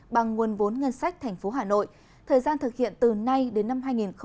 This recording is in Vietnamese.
bằng nguồn vốn ngân sách thành phố hà nội thời gian thực hiện từ nay đến năm hai nghìn hai mươi